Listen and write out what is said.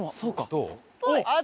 どう？